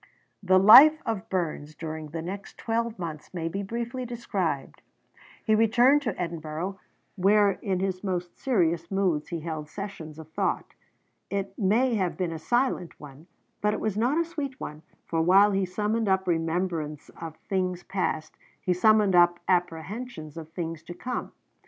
The life of Burns during the next twelve months may be briefly described. He returned to Edinburgh, where in his most serious moods he held sessions of thought. It may have been a silent one, but it was not a sweet one; for while he summoned up remembrance of things past, he summoned up apprehensions of things to come.